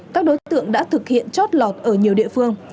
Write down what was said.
các đối tượng đã thực hiện chót lọt ở nhiều địa phương